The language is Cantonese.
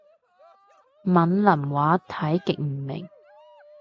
閩南話睇極唔明